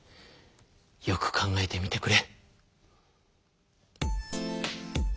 よく考えてみてくれ。